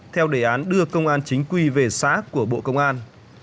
theo đề án đưa công an chính quy về xã của bộ công an